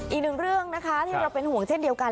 อีกหนึ่งเรื่องนะคะที่เราเป็นห่วงเช่นเดียวกัน